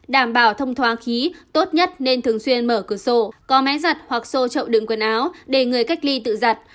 đảm bảo thông thoáng khí tốt nhất nên thường xuyên mở cửa sổ có máy giật hoặc sổ trậu đựng quần áo để người cách ly tự giật